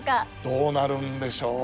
どうなるんでしょう？